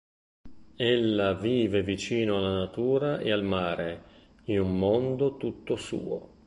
Ella vive vicino alla natura e al mare, in un mondo tutto suo.